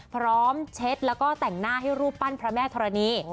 เช็ดแล้วก็แต่งหน้าให้รูปปั้นพระแม่ธรณี